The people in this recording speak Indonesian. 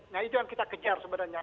nah itu yang kita kejar sebenarnya